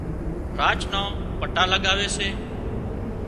راچ نان پٽا لڳاوي سي